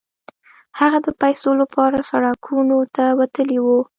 هغه د پيسو لپاره سړکونو ته وتلی و.